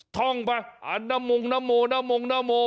ท่องไปนะมงนะโมนะมงนะโม